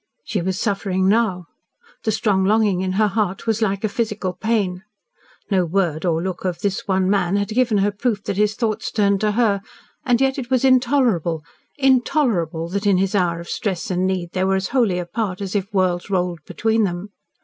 She was suffering now. The strong longing in her heart was like a physical pain. No word or look of this one man had given her proof that his thoughts turned to her, and yet it was intolerable intolerable that in his hour of stress and need they were as wholly apart as if worlds rolled between them.